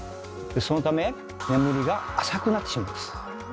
そのため眠りが浅くなってしまいます。